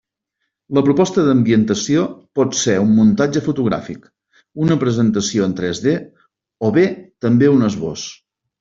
La proposta d'ambientació pot ser un muntatge fotogràfic, una presentació en tres D o bé també un esbós.